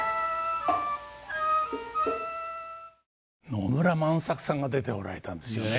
野村万作さんが出ておられたんですよね。